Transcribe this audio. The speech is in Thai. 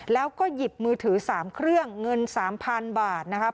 แล้วก็หยิบมือถือ๓เครื่องเงิน๓๐๐๐บาทนะครับ